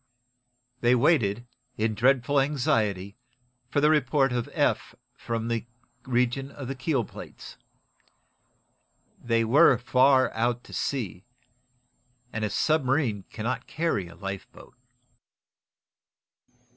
They waited, in dreadful anxiety, for the report of Eph from the region of the keel plates. They were far out to sea, and a submarine cannot carry a lifeboat!